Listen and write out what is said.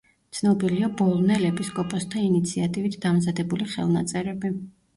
ცნობილია ბოლნელ ეპისკოპოსთა ინიციატივით დამზადებული ხელნაწერები.